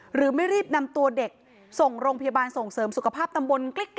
หรือไม่รีบนำตัวเด็กส่งโรงพยาบาลส่งเสริมสุขภาพตำบลกิ๊ก